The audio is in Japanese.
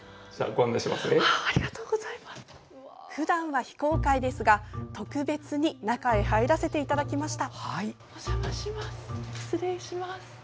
普段は非公開ですが特別に中へ入らせていただきました。